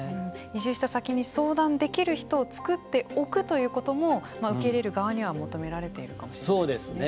移住した先に相談できる人を作っておくということも受け入れる側には求められているかもそうですね。